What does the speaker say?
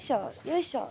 よいしょ！